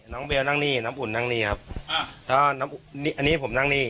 เบลนั่งนี่น้ำอุ่นนั่งนี่ครับอ่าแล้วน้ำอุ่นอันนี้ผมนั่งนี่